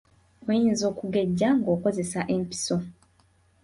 Oyinza okugejja ng’okozesa empiso.